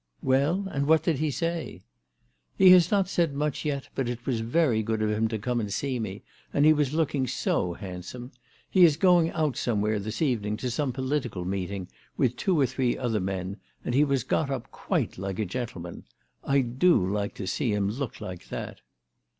" Well ; and what did he say ?"" He has not said much yet, but it was very good of him to come and see me, and he was looking so handsome. He is going out somewhere this evening to some political meeting with two or three other men, and he was got up quite like a gentleman. I do like to see him look like that."